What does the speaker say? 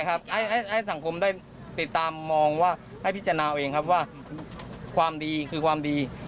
ให้สังคมได้ติดตามให้พิจารณาว่าความดีคือความดี